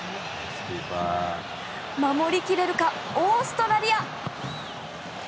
守り切れるかオーストラリア。